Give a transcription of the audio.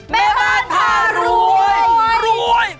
แม่บ้านผ่ารวย